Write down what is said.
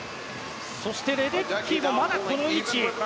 レデッキーもまだこの位置。